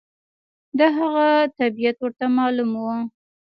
د هغه طبیعت ورته معلوم و.